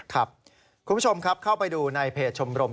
คุณผู้ชมครับเข้าไปดูในเพจชมรม